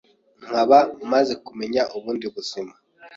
nkaba maze kumenya ubundi buzima